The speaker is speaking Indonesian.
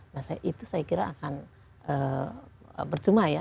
nah itu saya kira akan percuma ya